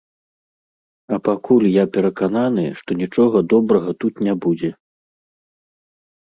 А пакуль я перакананы, што нічога добрага тут не будзе.